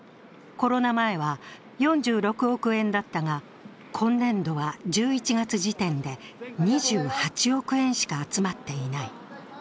コロナ前は４６億円だったが、今年度は１１月時点で２８億円しか集まっていない。